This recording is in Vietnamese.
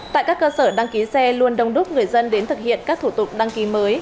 tại các cơ sở đăng ký xe luôn đông đúc người dân đến thực hiện các thủ tục đăng ký mới